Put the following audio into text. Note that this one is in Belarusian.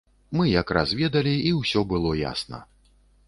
Мы якраз ведалі і ўсё было ясна.